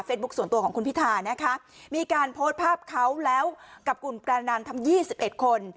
ส่วนตัวของคุณพิธานะคะมีการโพสต์ภาพเขาแล้วกับคุณประนันทำ๒๑คน